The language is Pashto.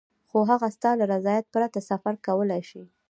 خو هغه ستا له رضایت پرته سفر کولای شي.